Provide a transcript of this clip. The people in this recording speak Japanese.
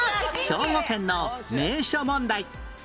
兵庫県の名所問題